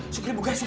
sukri buka krik